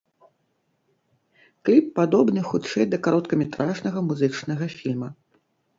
Кліп падобны хутчэй да кароткаметражнага музычнага фільма.